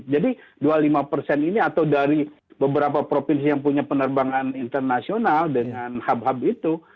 jadi dua lima persen ini atau dari beberapa provinsi yang punya penerbangan internasional dengan hub hub itu